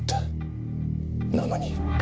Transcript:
なのに。